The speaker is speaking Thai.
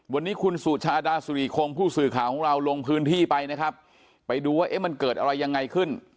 วันนี้คุณสุชาดาสุริคงผู้สื่อข่าวของเราลงพื้นที่ไปนะครับไปดูว่าเอ๊ะมันเกิดอะไรยังไงขึ้น